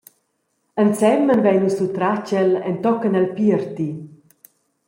Ensemen vein nus lu stratg el entochen el pierti.